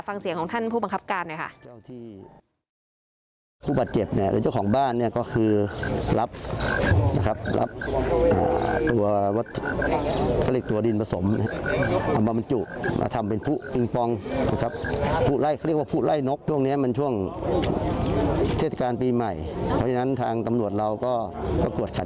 ฟังเสียงของท่านผู้บังคับการหน่อยค่ะ